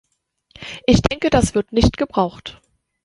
Ich denke, das wird nicht gebraucht.